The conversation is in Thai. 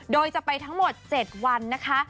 โดยจะไปทั้งหมด๗วันนะคะ